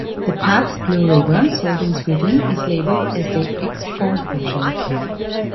The Pabst Blue Ribbon sold in Sweden is labeled as the "export" version.